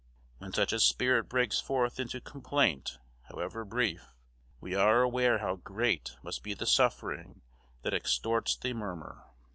When such a spirit breaks forth into complaint, however brief, we are aware how great must be the suffering that extorts the murmur.